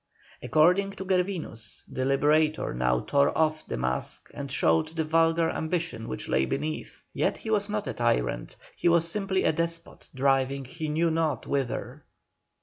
According to Gervinus, the Liberator now tore off the mask and showed the vulgar ambition which lay beneath, yet he was not a tyrant, he was simply a despot driving he knew not whither.